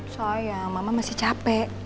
sayang mama masih capek